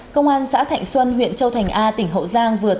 công an xã thạnh xuân huyện châu thành a tỉnh hậu giang vừa